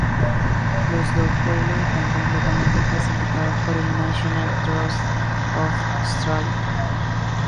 Los dos pueblos están completamente clasificados por el National Trust of Australia.